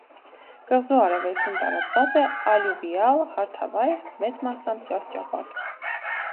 Կղզու արևելքում տարածված է ալյուվիալ հարթավայր (մեծ մասամբ ճահճապատ)։